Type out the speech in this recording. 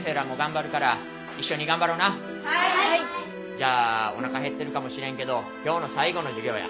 じゃあおなか減ってるかもしれんけど今日の最後の授業や。